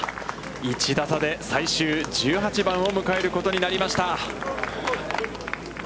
１打差で、最終１８番を迎えることになりました。